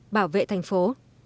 bảo vệ thành phố